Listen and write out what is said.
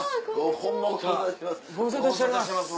ホンマご無沙汰してます。